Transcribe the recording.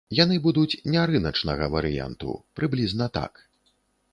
Яны будуць не рыначнага варыянту, прыблізна так.